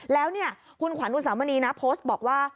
แล้วเนี่ยคุณขวัญอุสามณีนะโพสต์บอกว่า